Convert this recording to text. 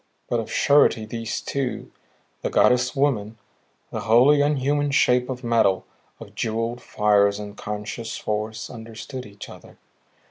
But of a surety these two the goddess woman, the wholly unhuman shape of metal, of jeweled fires and conscious force understood each other.